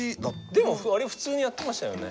でもあれ普通にやってましたよね。